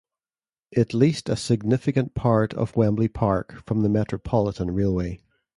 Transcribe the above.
It leased a significant part of Wembley Park from the Metropolitan Railway.